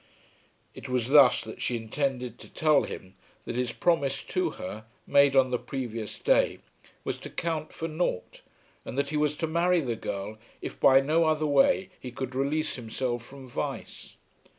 It was thus that she intended to tell him that his promise to her, made on the previous day, was to count for nought, and that he was to marry the girl if by no other way he could release himself from vice.